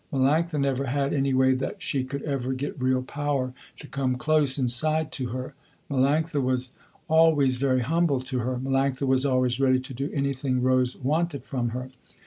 Melanctha never had any way that she could ever get real power, to come close inside to her. Melanctha was always very humble to her. Melanctha was always ready to do anything Rose wanted from her.